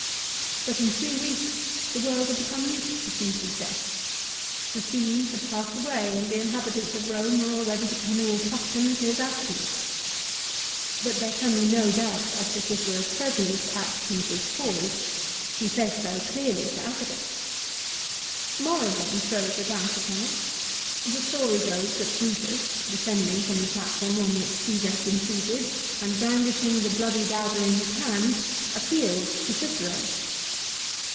But in three weeks the world had become used to Caesar's death. The scene had passed away and the inhabitants of Eome were already becoming accustomed to his absence. But there can be no doubt as to Cicero's presence at Caesar's 1 Ad Att. xiv. 1. p 2 212 LIFE OF CICERO. fall. He says so clearly to Atticus. 1 Morabin throws a doubt upon it. The story goes that Brutus, descending from the platform on which Csesar had been seated, and brandishing the bloody dagger in his hand, appealed to Cicero.